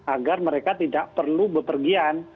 agar mereka tidak perlu bepergian